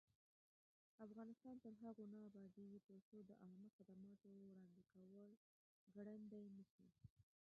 افغانستان تر هغو نه ابادیږي، ترڅو د عامه خدماتو وړاندې کول ګړندی نشي.